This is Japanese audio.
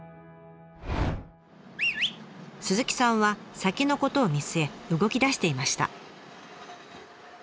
鈴木さんは先のことを見据え動きだしていました。